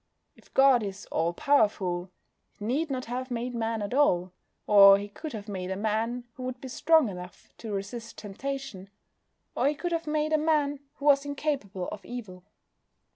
If God is all powerful, He need not have made Man at all. Or He could have made a man who would be strong enough to resist temptation. Or He could have made a man who was incapable of evil.